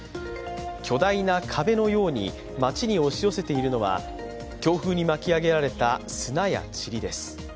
巨大な壁のように街に押し寄せているのは強風に巻き上げられた砂やちりです。